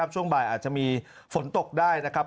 ช่วงบ่ายอาจจะมีฝนตกได้นะครับ